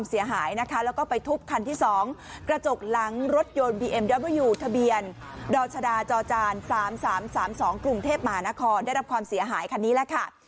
จจ๓๓๓๒กรุงเทพมหานครได้รับความเสียหายคันนี้แล้วค่ะ